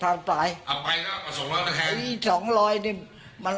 แล้วไปแสงอีกกันเมื่อ๗๐๐๐บาท